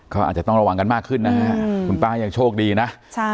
ก็อาจจะต้องระวังกันมากขึ้นนะฮะคุณป้ายังโชคดีนะ